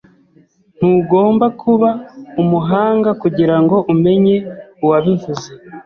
Ntugomba kuba umuhanga kugirango umenye uwabivuze.